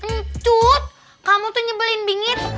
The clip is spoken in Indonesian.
ncut kamu tuh nyebelin bingit